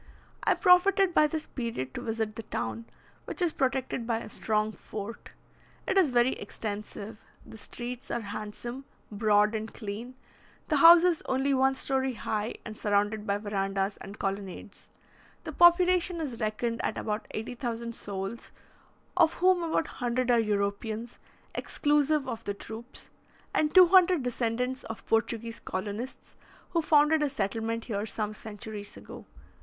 I profited by this period to visit the town, which is protected by a strong fort. It is very extensive; the streets are handsome, broad, and clean; the houses only one story high, and surrounded by verandahs and colonnades. The population is reckoned at about 80,000 souls, of whom about 100 are Europeans, exclusive of the troops, and 200 descendants of Portuguese colonists, who founded a settlement here some centuries ago.